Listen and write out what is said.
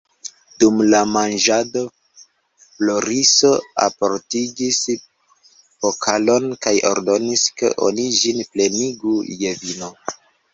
Dum la manĝado Floriso alportigis pokalon kaj ordonis, ke oni ĝin plenigu je vino.